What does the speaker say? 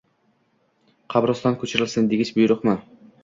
— Qabriston ko‘chirilsin, degich buyruqmi?